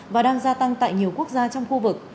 và đang gia tăng tại nhiều quốc gia trong khu vực